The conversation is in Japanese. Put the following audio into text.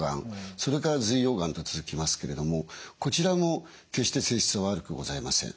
それから髄様がんと続きますけれどもこちらも決して性質は悪くございません。